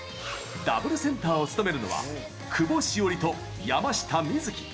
ダブルセンターを務めるのは久保史緒里と山下美月。